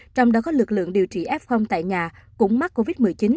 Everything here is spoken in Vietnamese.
trong đó có lực lượng điều trị f tại nhà cũng mắc covid một mươi chín